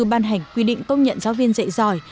ban hành quy định công nhận giáo viên dạy giỏi